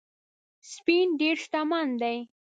سپین ډېر شتمن دی